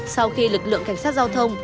sau khi lực lượng cảnh sát giao thông